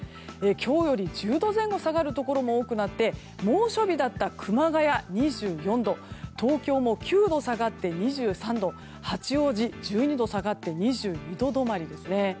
今日より１０度前後下がるところも多くなって猛暑日だった熊谷、２４度東京も９度下がって２３度八王子は１２度下がって２２度止まりですね。